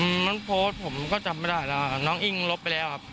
อืมน้องโพสต์ผมก็จำไม่ได้นะน้องอิ้งลบไปแล้วครับ